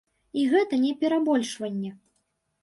І гэта не перабольшванне.